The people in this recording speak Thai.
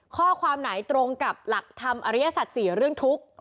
ข้อความไหนตรงกับหลักธรรมอริยสัตว์๔เรื่องทุกข์